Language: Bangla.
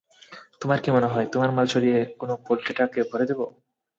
তোমার কি মনে হয়, তোমার মাল সরিয়ে কোনো পোল্ট্রি ট্রাকে ভরে দেবো?